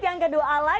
yang kedua alay